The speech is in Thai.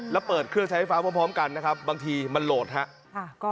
แล้วเปิดเครื่องใช้ไฟฟ้าพร้อมกันนะครับบางทีมันโหลดครับ